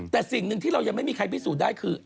แต่สิ่งที่ยังไม่มีใครบิสุทธิ์ได้คือ